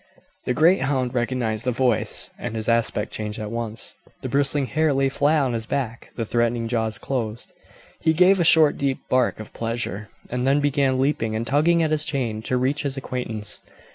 The great hound recognized the voice and his aspect changed at once. The bristling hair lay flat on his back; the threatening jaws closed. He gave a short deep bark of pleasure, and then began leaping and tugging at his chain to reach his acquaintance.